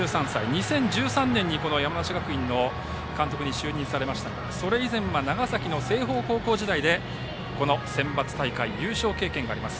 ２０１３年に山梨学院の監督に就任されましたがそれ以前は長崎の清峰高校時代でセンバツ大会で優勝経験があります。